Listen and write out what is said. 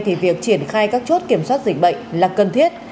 thì việc triển khai các chốt kiểm soát dịch bệnh là cần thiết